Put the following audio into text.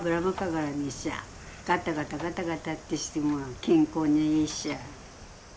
がたがたがたがたってしても健康にいいし。